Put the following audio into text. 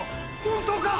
本当か！